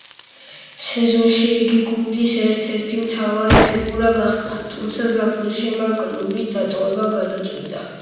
სეზონში იგი გუნდის ერთ-ერთი მთავარი ფიგურა გახდა, თუმცა ზაფხულში მან კლუბის დატოვება გადაწყვიტა.